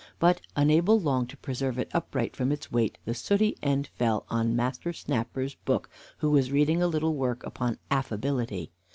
But, unable long to preserve it upright from its weight, the sooty end fell on Master Snapper's book, who was reading a little work upon "Affability."